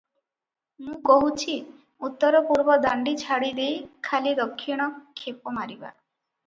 ମୁଁ କହୁଛି, ଉତ୍ତର ପୂର୍ବ ଦାଣ୍ଡି ଛାଡ଼ି ଦେଇ ଖାଲି ଦକ୍ଷିଣ ଖେପ ମାରିବା ।